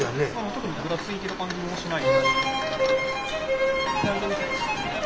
特にふらついてる感じもしない。